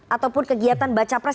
ataupun kegiatan baca pres